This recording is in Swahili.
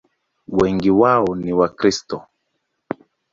Wengi wao ni Wakristo.